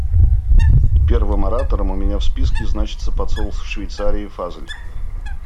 Первым оратором у меня в списке значится посол Швейцарии Фазель.